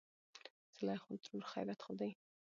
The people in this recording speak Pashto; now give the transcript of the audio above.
زليخاترور : خېرت خو دى.